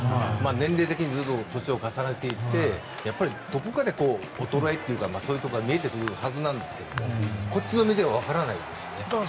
年齢的に年を重ねていってどこかで衰えというかそういうところが見えてくるはずなんですがこっちの値ではわからないですね。